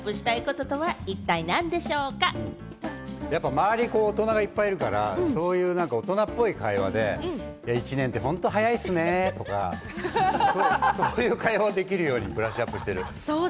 周りに大人がいっぱいいるから、大人っぽい会話ね、一年って早いですねとか、そういう会話ができるようにブラッシュアップしている。